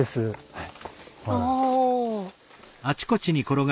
はい。